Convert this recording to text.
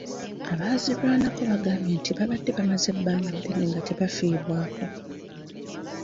Abaazirwanako baagambye nti babadde bamaze ebbanga ddene nga tebafiibwako.